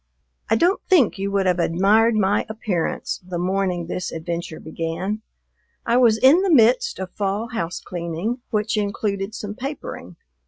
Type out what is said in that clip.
I don't think you would have admired my appearance the morning this adventure began: I was in the midst of fall house cleaning which included some papering.